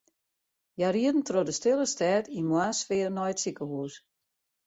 Hja rieden troch de stille stêd yn moarnssfear nei it sikehús.